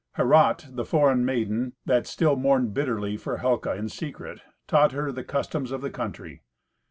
Herrat, the foreign maiden, that still mourned bitterly for Helca in secret, taught her the customs of the country.